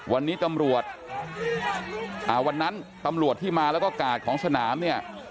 วันนี้ตำรวจอ่าวันนั้นตำรวจที่มาแล้วก็กาดของสนามเนี่ย